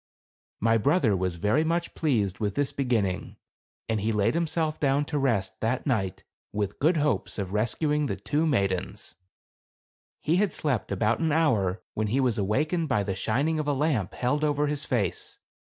My brother was very much pleased with this begin ning, and laid himself down to rest, that night, with good hopes of rescuing the two maidens. He had slept about an hour, when he was awakened by the shining of a lamp held over his face.